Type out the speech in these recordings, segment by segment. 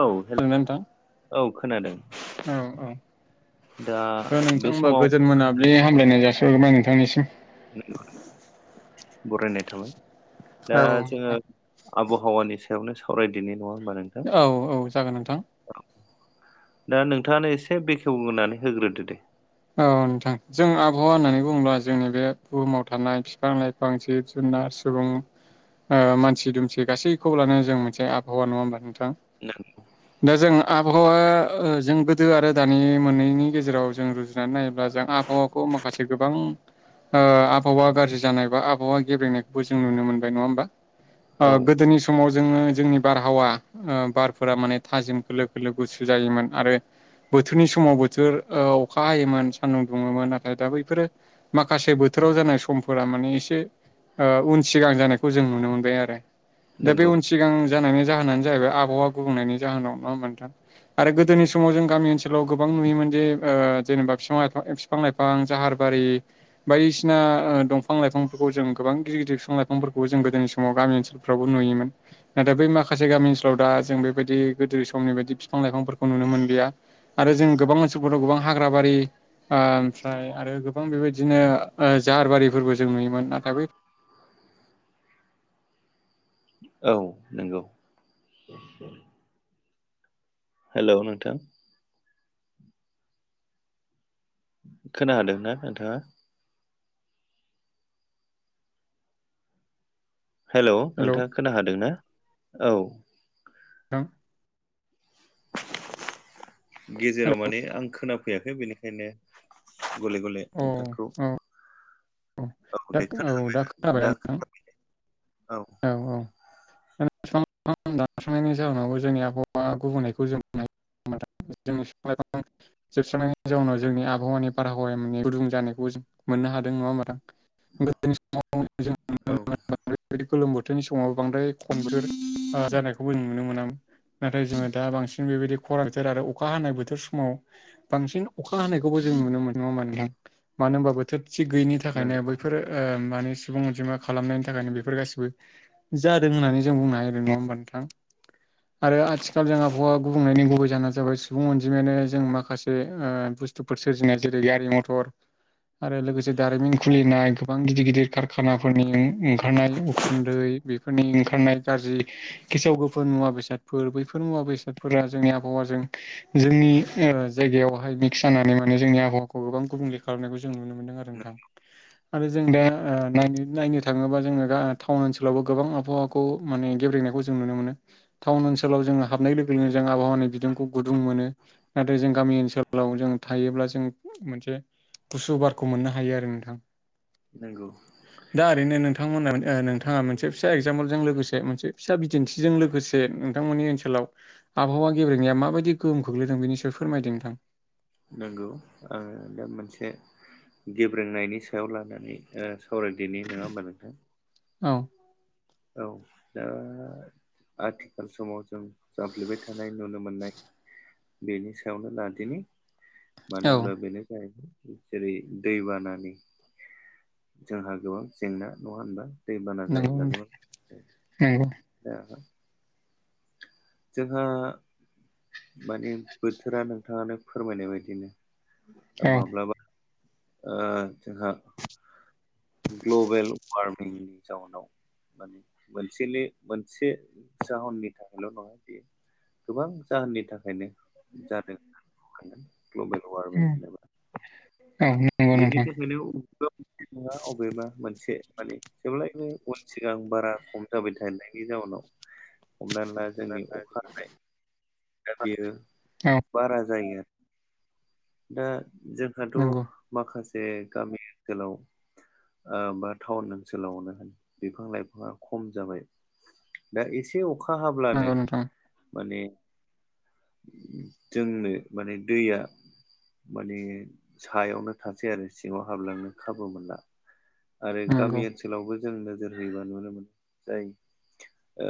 औ हेल' [unintelligible] नोंथां औ खोनादों औ औ। दा ओ नोंथां बे होमबा समाव गोजोन मोनाब्लिनि हामलायनाय जासिहरबाय नोंथांनिसिम ‌ [unintelligible] बरायनाय थाबाय दा औ जोङो नोंथां आब'हावानि सायावनो सावरायदिनि नङा होमबा नों औ औ जागोन नोंथां। औ दा नोंथाङानो एसे बेखेवग्रोनानै होग्रोदो दे। औ नोंथां जों आब'हावा होननानै बुङोबा जोंनि बे बुहुमाव थानाय बिफां लाइफ फां जिब जुनार सुबुं ओ मानसि दुमसि गासैखौबो लानानै जों मोनसे आबहावा नङा होमबा नों थां? ओं दा जों आब'हावा ओ ओ जों गोदो आरो दानि मोननैनि गेजेराव जों रुजुनानै नाय ब्ला जों आबहावाखौ माखासे गोबां ओ आबहावा गाज्रि जानाय बा आबहावा गेबेंनायखौबो जों नुनो मोनबाय नङा होमबा। ओ औ गोदोनि समाव जोङो जोंनि बारहावा ओ बारफोरा माने थाजिम खोलो खोलो गुसु जायोमोन आरो बोथोरनि समाव बोथोर ओ अखा हायोमोन सान्दुं दुङोमोन नाथाय दा बैफोरो माखासे बोथोराव जानाय समफोरा माने एसे ओ उन सिगां जानायखौ जों नुनो मोनबाय आरो दा बे नंगौ उन सिगां जानायनि जाहोनानो जाहैबाय आबहावा गुबुंनायनि जाहोनाव नङा होमबा नोंथां। आरो गोदोनि समाव जों गामि ओनसोलाव गोबां नुयोमोन जे ओ जेनेबा फिफां लाइफां फिफां लाइफां जाहारबारि बायदिसिना ओ दंफां लाइफांफोरजों गोबां गिदिर गिदिर फिफां लाइफांफोरखौ जों गोदोनि समाव गामि फ्रावबो नुयोमोन नाथाय बै माखासे गामि ओनसोलाव दा जों बेबायदि गोदो समनि बायदि फिफां लाइफांफोरखौ नुनो मोनलिया। आरो जों गोबां ओनसोलफोराव गोबां हाग्रा बारि आ आमफ्राय आरो गोबां बेबायदिनो ओ जाहार बारिफोरबो जों नुयोमोन नाथाय बै औ नोंगौ। हेलौ नोंथां। खोनादों ना नोंथाङा? हेल' हेलौ नोंथाङा खोनाखादोंना औ थां गेजेराव हेलौ माने आं खोनाफैयाखै बिनिखायनो गले गले अ नोंथांखौ औ दा दे खोना औ दा खोनाबाय ना नोंथां? औ औ औ [unintelligible] दानस्रांनायनि जाहोनावबो जोंनि आबहावा गुबुननायखौ जों जोंनि बिफां लाइफां जोबस्रांनायनि जाहोनाव जोंनि आबहावानि बारहावाया माने गुदुं जानायखौ जों मोननो हादों नङा गोदोनि समाव औ बेदि गोलोम बोथोरनि समाव बांद्राय खम बोथोर जानायखौबो नुनो मोनामोन नाथाय जोङो दा बांसिन बेबायदि खरां बोथोर आरो अखा हानाय बोथोर समाव बांसिन अखा हानायखौबो जों नुनो मोन नङा होनबा नोंथां मानो होनबा थोब थिग गैयिनि थाखायनो नंगौ बैफोरो ओ माने सुबुं अनजिमा खालामनायनि थाखायनो बे फोर गासिबो जादों होननानै जों बुंनो हायो आरो नङा होमबा नोंथां आरो आथिखाल जों आबहावा गुबुंनायनि गुबै जाहोना जाबाय सुबुं अनजिमायानो जों माखासे उह बुस्थ थुफोर सोरजिनाय जेरै गारि मथर आरो लोगोसे दारिमिन खुलिनाय गोबां गिदिर गिदिर कारखानाफोरनिं ओं खारनाय उखुन्दै बेफोरनि ओंखारनाय गाज्रि गेसाव गोफोन मुवा बेसादफोर बैफोर मुवा बेसादफोरा जोंनि आबहावाजों जोंनि ओ जायगायावहाय मिक्स जानानै माने जोंनि आबहावाखौ गोबां गुबुंले खालामनायखौ जों नुनो मोनदों आरो नोंथां आरो जों दा उह नायनो-नायनो थाङोबा जोङो दा टाउन ओनसोलावबो गोबां आबहावाखौ माने गेब्रेनाय जों नुनो मोनो टाउन ओनसोलाव जोंहा। हाबनाय लोगो लोगोनो जों आबहावानि बिदुंखौ गुदुं मोनो। नाथाय जों गामि ओनसोलाव जों थायोब्ला जों मोनसे गुसु बारखौ मोननो हायो आरो नोंथां। नोंगौ। दा ओरैनो नों थांमोना उह नोंथाङा मोनसे फिसा एगजामपोलजों लोगोसे मोनसे फिसा बिदिन्थिजों लोगोसे नोंथांमोननि ओनसोलाव आबहावा गेब्रेंनाया माबायदि गोहोम खख्लैदों बेनि सायाव फोरमायदों नोंथां। नंगौ आङो दा मोनसे गेब्रेंनायनि सायाव लानानै उह सावरायनो दिनै नङा होमबा नोंथां औ औ दा आथिखाल समाव जों जाफ्लेबाय थानाय नुनो मोननाय बेनि सायावनो लादिनि मानो औ होनब्ला बेनो जाहैबाय जेरै दैबानानि जोंहा गोबां जेंना नङा होनबा दैबाना नंगौ जायोब्ला नोंथां नंगौ दा जोंहा माने बोथोरा नोंथाङानो फोरमायनाय बायदिनो औ माब्लाबा ओ जोंहा ग्लबेल वार्मिंनि जाउनाव माने मोनसेल मोनसे जाहोननि थाखायल' नङा बेयो गोबां जाहोननि थाखायनो जादों ग्लबेल वार्मिं होनोबा औ दा नंगौ बेनि नोंथां थाखायनो नङा अबेबा मोनसे माने जेब्लायबो उन सिगां बारा खम जाबाय थानायनायनि जाउनाव हमनानै ला दा जोंनि दा अखा जोंनि हानाय दा बेयो औ बारा जायो आरो दा जोंहाथ' नंगौ माखासे गामि ओनसोलाव बा टाउन ओनसोलावनो होन बिफां लाइफाङा खम जाबाय दा एसे अखा हाब्लानो नंगौ नोंथां माने जोंनो माने दैया माने सायावनो थासै आरो सिङाव हाबलांनो खाबु मोनला आरो नंगौ गामि ओनसोलावबो जों नोजोर होयोबा नुनो मोनो जाय ओ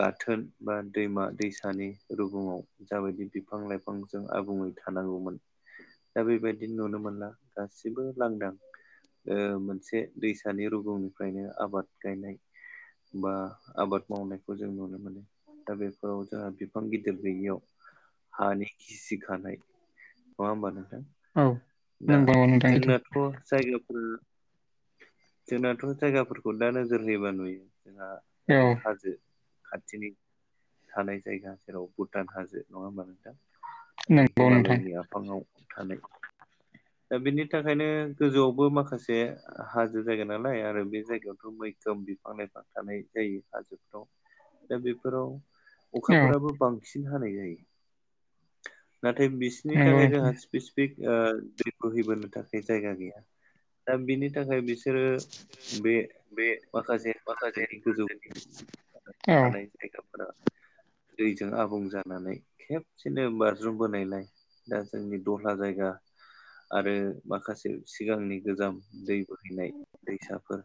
गाथोन बा दैमा दैसानि रुगुङाव जाबायदि बिफां लाइफांजों आबुङै थानांगौमोन दा बेबायदि नुनो मोनला गासिबो लांदां ओ मोनसे दैसानि रुगुंनिफ्रायनो आबाद गायनाय बा आबाद मावनायखौ जों नुनो मोनो दा बेफोराव जोंहा बिफां गिदिर गैयियाव हानि गिसिखानाय नङा होमबा नोंथां औ दा नंगौ नोंथां सैथो जोंनाथ' जायगाफोर जोंनाथ' जायगाफोरखौ दा नोजोर होयोबा नुयो जोंहा ओरै औ हाजो खाथिनि थानाय जायगा जेराव भुटान हाजो नङा होमबा नोंथां? ओरै नंगौ नोंथां हिमालयनि आफाङाव थानाय दा बिनि थाखायनो गोजौआवबो माखासे आ हाजो जायगा नालाय आरो बे जायगायावथ' मैखोम बिफां लाइफां थानाय जायो हाजोफ्राव दा बेफोराव औ अखाफोराबो बांसिन हानाय जायो। नाथाय बिसोरनि नंगौ थाखाय नोंथां जोंहा स्पि [unintelligible] ओ दै बहैबोनो थाखाय जायगा गैया दा बिनि थाखाय बिसोर बिसोरो बे बे माखासे माखासे हनि गोजौ थानाय जायगाफोरा [inaudible] दैजों आबुं जानानै खेबसेनो बाज्रुम बोनायलाय दा जोंनि दहला जायगा आरो माखासे सिगांनि गोजाम दै बोहैनाय दैसाफोर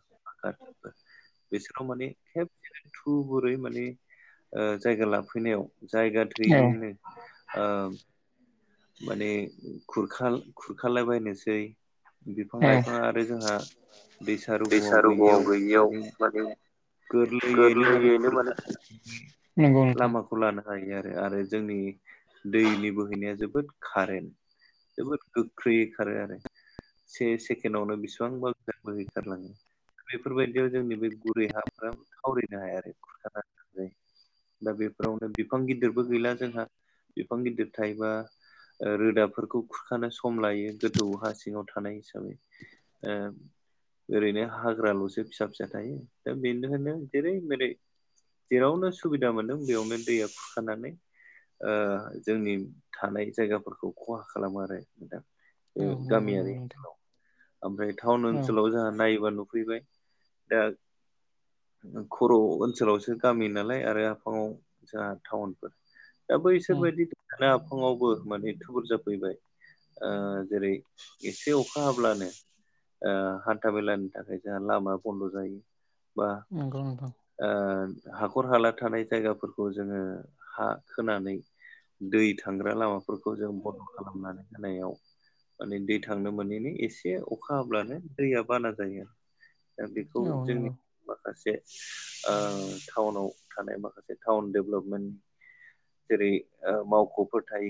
बिसोराव माने खेबसे थुबुरै माने ओ जायगा लाफैनायाव जायगा औ थैयैनो ओ माने खुरखा-खुरखालाबायनोसै बिफां औ लाइफां आ ओमफ्राय जोंहा दैसा रुगङाव गैयियाव माने गोरलैयैनो माने खुरखानो [unintelligible] नंगौ नोंथां लामाखौ। खौ लानो हायो आरो, आरो जोंनि दैनि बोहैनाया जोबोद कारेन्ट जोबोद गोख्रैयै खारो आरो। से सेकेडआवनो बेसेबां गोजान बोहैखार लाङो। बेफोरबायदियाव जोंनि बे गुरै हा [unintelligible] थावरिनो हाया आरो खुरखानानै लांजायो। दा बेफोरावनो बिफां गिदिरबो गैला जोंहा बिफां गिदिर थायोबा ओ रोदाफोरखौ खुरखानो सम लायो गोथौ हा सिङाव थानाय हिसाबै। ओ ओरैनो हाग्राल'सो फिसा फिसा थायो। बेनिखायनो जेरै मेरै जेरावनो सुबिदा मोनदों बेयावनो दैया खुरखानानै ओ जोंनि थानाय जायगाफोरखौ खहा खालामो आरो नोंथां। औ नंगौ नंगौ नोंथां। आमफ्राय टाउन औ ओनसोलाव जोंहा नायोबा नुफैबाय दा खर' ओनसोलावसो गामि नालाय आरो आफाङाव जोंहा टाउनफोर दा उम बैसोरबायदि दा आफाङावबो माने थुबुर जाफैबाय। ओ जेरै एसे अखा हाब्लानो ओ हान्था मेलानि थाखाय जोंहा लामाया बन्द' जायो। बा नंगौ नोंथां। ओ हाखर हाला थानाय जायगाफोरखौ जोङो हा खोनानै दै थांग्रा लामाफोरखौ जों बन्द' खालामनानै होनायाव माने दै थांनो मोनैनि एसे अखा हाब्लानो दैया बाना जायो। दा बेखौ औ जोंनि माखासे ओ टाउनाव थानाय माखासे टाउन डेभेलपमेन्ट जेरै ओ मावख'फोर थायो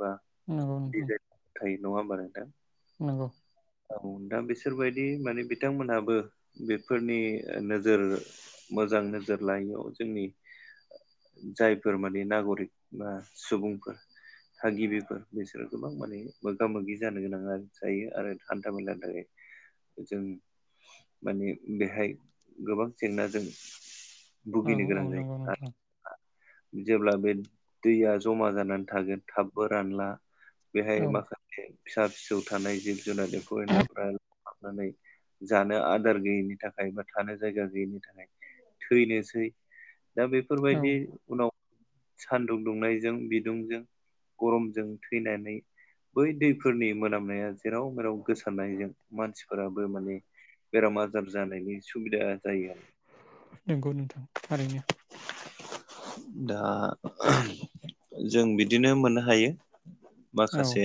बा नंगौ नंगौ नोंथां दिजाइन [unintelligible] थायो नङा होमबा नोंथां? नंगौ औ दा बिसोरबायदि माने बिथांमोनहाबो बेफोरनि ओ नोजोर मोजां नोजोर लायैयाव जोंनि जायफोर माने नागरिक बा सुबुंफोर थागिबिफोर बिसोरो गोबां माने मोगा मोगि जानो गोनां जायो आरो हान्था मेलानि थाखाय जों माने बेहाय गोबां जेंनाजों औ भुगिनो गोनां औ नंगौ जायो नोंथां आरो ओ जेब्ला बे दैया जमा जानानै थागोन थाबबो रानला बेहाय औ माखासे फिसा फिसौ थानाय जिब जुनार एफौ एनलाफ्रा [unintelligible] नानै जानो आदार गैयिनि थाखायबो थानो जायगा गैयिनि थाखाय थैनोसै दा औ बेफोरबायदि उनाव सानदुं दुंनायजों बिदुंजों गरमजों थैनानै बै दैफोरनि मोनामनाया जेराव मेराव गोसारनायजों मानसिफोराबो माने बेराम आजार जानायनि सुबिदा जायो आरो नोंगौ नोंथां थारैनो दा जों बिदिनो मोननो हायो। औ माखासे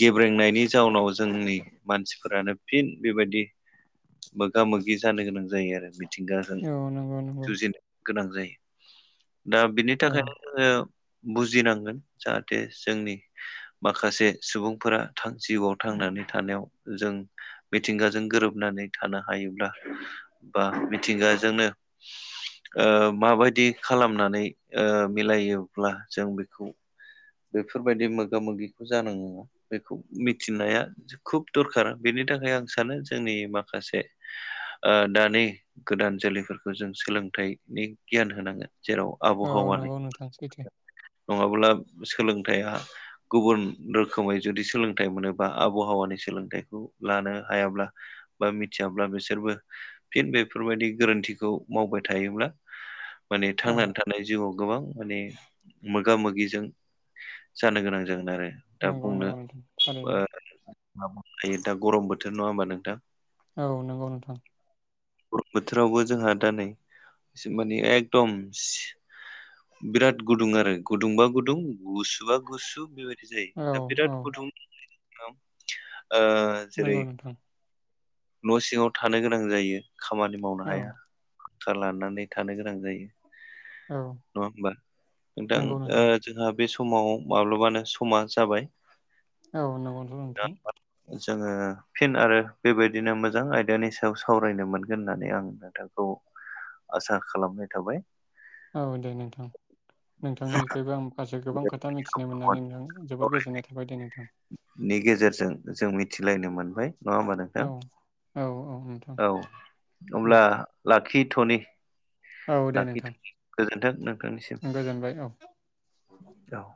गेब्रेंनायनि जाउनाव जोंनि मानसिफोरानो फिन बेबायदि मोगा मोगि जानो गोनां जायो आरो मिथिंगाजों औ नंगौ नंगौ जुजिनो गोनां जायो। दा बिनि औ थाखायनो जोङो बुजिनांगोन जाहाथे जोंनि माखासे सुबुंफोरा थां जिउआव थांनानै थानायाव जों मिथिंगाजों गोरोबनानै थानो हायोब्ला बा मिथिंगाजोंनो ओ माबायदि खालामनानै ओ मिलायोब्ला जों बेखौ बेफोरबायदि मोगा मोगिखौ जानांगौ बेखौ मिथिनाया खुब दरखार बेनि थाखाय आं सानो जोंनि माखासे दानि गोदान जोलैफोरखौ जों सोलोंथाइनि गियान होनांगोन जेराव औ आबहावानि नंगौ नोंथां सैथो नङाब्ला सोलोंथाइया गुबुन रोखोमै जुदि सोलोंथाइ मोनोबा आबहावानि सोलोंथाइखौ लानो हायाब्ला बा मिथियाब्ला बिसोरबो फिन बेफोरबायदि गोरोन्थिखौ मावबाय थायोब्ला माने औ थांनानै थानाय जिउआव गोबां माने मोगा मोगिजों जानो गोनां जागोन आरो दा नंगौ बुंनो नंगौ नोंथां ओ थारैनो [unintelligible] दा गरम बोथोर नङा होमबा नोंथां औ नंगौ नोंथां बर' बोथोरावबो जोंहा दा नै माने एकदम बिराद गुदुं आरो गुदुंबा गुदुं गुसुबा गुसु बेबायदि जायो औ दा औ बिराद गुदुं ओ जेरै नंगौ नोंथां न' सिङाव थानो गोनां जायो खामानि मावनो औ हाया। लानानै थानो गोनां जायो औ नङा होमबा नोंथां। नंगौ नोंथां ओ जोंहा बे समाव माब्लाबानो समा जाबाय। औ नंगौथ' नोंथां जोंङो फिन आरो बेबायदिनो मोजां आयदानि सायाव सावरायनो मोनगोन होननानै आं नोंथां [inaudible] आसा खालामनाय थाबाय। औ दे नोंथां नोंथांनिफ्रायबो आं माखासे गोबां खोथा मिथिनो मोननानै नोंथां जोबोद गोजोननाय थाबाय दे नोंथां। नि गेजेरजों जों मिथिलायनो मोनबाय। नङा होमबा नोंथां औ औ औ औ दे होमब्ला लाखिथ'नि औ दे नोंथां लाखिथों गोजोन्थों नोंथांनिसिम गोजोनबाय औ औ